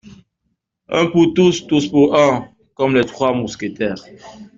Un pour tous, tous pour un, comme les trois mousquetaires